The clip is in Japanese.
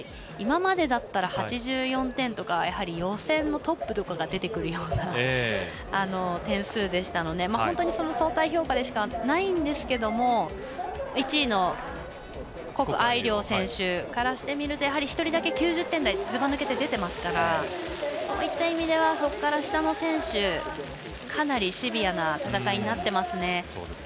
今までだったら８４点とか予選のトップで出てくるような点数でしたので本当に、相対評価でしかないんですけれども１位の谷愛凌選手からしてみるとやはり１人だけ９０点台ずばぬけて出てますからそういった意味ではそこから下の選手はかなりシビアな戦いになってます。